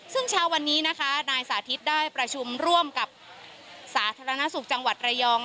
ซึ่งเช้าวันนี้นะคะนายสาธิตได้ประชุมร่วมกับสาธารณสุขจังหวัดระยอง